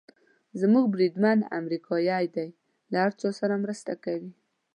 زموږ بریدمن امریکایي دی، له هر چا سره مرسته کوي.